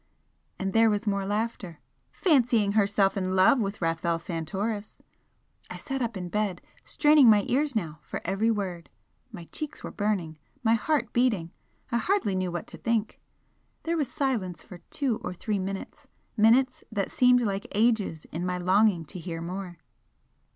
and there was more laughter "Fancying herself in love with Rafel Santoris!" I sat up in bed, straining my ears now for every word. My cheeks were burning my heart beating I hardly knew what to think. There was a silence for two or three minutes minutes that seemed like ages in my longing to hear more.